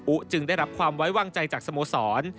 จึงได้รับความไว้วางใจจากสโมสร